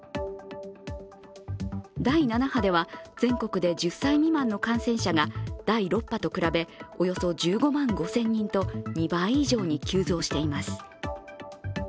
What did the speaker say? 第７波では全国で１０歳未満の感染者が第６波と比べ、およそ１５万５０００人と２倍以上に急増しています。